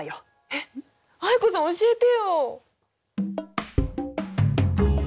えっ藍子さん教えてよ！